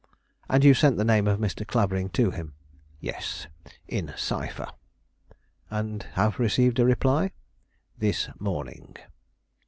"And you sent the name of Mr. Clavering to him?" "Yes, in cipher." "And have received a reply?" "This morning."